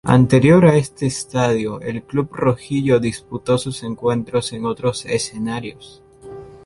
Anterior a este estadio, el club rojillo disputó sus encuentros en otros escenarios.